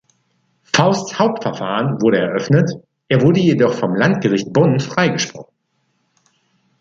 Fausts Hauptverfahren wurde eröffnet, er wurde jedoch vom Landgericht Bonn freigesprochen.